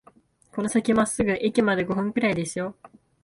この先まっすぐ、駅まで五分くらいですよ